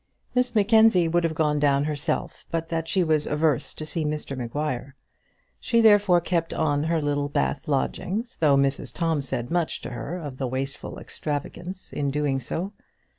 Miss Mackenzie would have gone down herself but that she was averse to see Mr Maguire. She therefore kept on her Littlebath lodgings, though Mrs Tom said much to her of the wasteful extravagance in doing so.